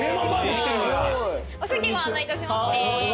お席ご案内いたしますね。